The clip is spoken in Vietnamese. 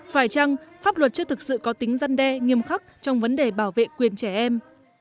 phải chăng pháp luật chưa thực sự có tính răn đe nghiêm khắc trong vấn đề bảo vệ quyền trẻ em